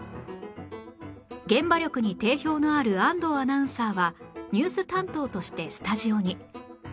現場力に定評のある安藤アナウンサーはニュース担当としてスタジオに